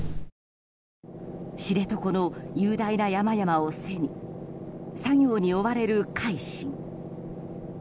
知床の雄大な山々を背に作業に追われる「海進」。